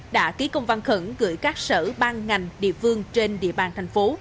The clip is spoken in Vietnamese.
đã ký công văn khẩn gửi các sở ban ngành địa phương trên địa bàn thành phố